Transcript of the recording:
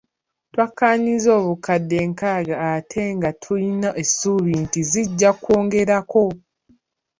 Twakayingiza obukadde nkaaga ate nga tukyalina essuubi nti zijja kweyongerako.